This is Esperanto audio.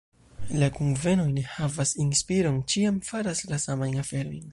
La kunvenoj ne havas inspiron, ĉiam faras la samajn aferojn.